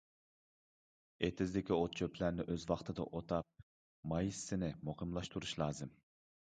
ئېتىزدىكى ئوت-چۆپلەرنى ئۆز ۋاقتىدا ئوتاپ مايسىسىنى مۇقىملاشتۇرۇش لازىم.